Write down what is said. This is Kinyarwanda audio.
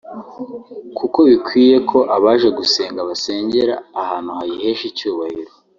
kuko bikwiye ko abaje gusenga basengera ahantu hayihesha icyubahiro